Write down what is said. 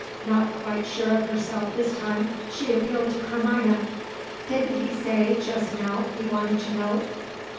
Not quite sure of herself this time, she appealed to Carmina. "Didn't he say, just now, he wanted to know?"